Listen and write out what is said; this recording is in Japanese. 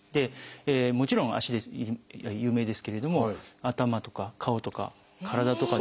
もちろん足が有名ですけれども頭とか顔とか体とかですね。